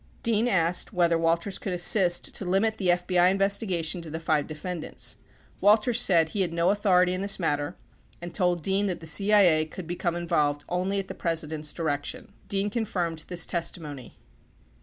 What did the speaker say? Dean asked whether Walters could assist to limit the FBI investigation to the five defend ants. Walters said he had no authority in this matter and told Dean that the CIA could become involved only at the President's direction. 40 Dean confirmed this testimony.